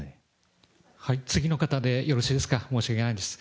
次の方でよろしいですか、申し訳ないです。